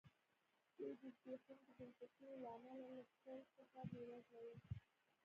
دوی د زبېښونکو بنسټونو له امله له شل څخه بېوزله وو.